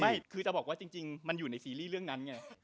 ไม่คือจะบอกว่าจริงมันอยู่ในซีรีส์เรื่องนั้นไง